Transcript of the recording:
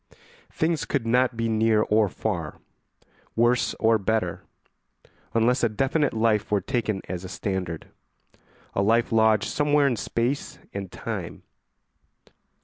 Things could not be near or far, worse or better, unless a definite life were taken as a standard, a life lodged somewhere in space and time.